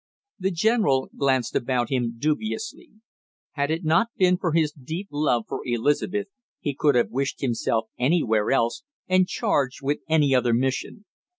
The general glanced about him dubiously. Had it not been for his deep love for Elizabeth he could have wished himself anywhere else and charged with any other mission.